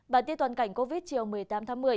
bản tin toàn cảnh covid chiều một mươi tám tháng một mươi